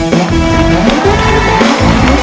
เดี๋ยวเดี๋ยวเดี๋ยวเดี๋ยว